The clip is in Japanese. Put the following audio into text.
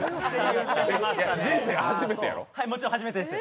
人生初めてやろ？